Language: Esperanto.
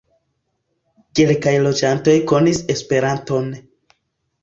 Kelkaj loĝantoj konis Esperanton.